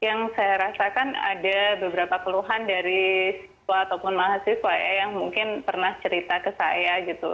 yang saya rasakan ada beberapa keluhan dari siswa ataupun mahasiswa ya yang mungkin pernah cerita ke saya gitu